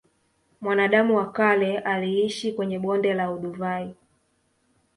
Mwanadamu wa kale aliishi kwenye bonde la olduvai